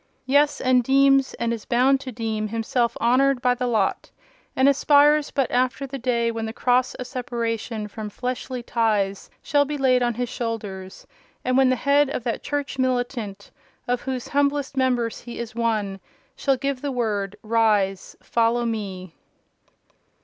Yes, and deems, and is bound to deem, himself honoured by the lot, and aspires but after the day when the cross of separation from fleshly ties shall be laid on his shoulders, and when the Head of that church militant of whose humblest members he is one, shall give the word, 'Rise, follow Me!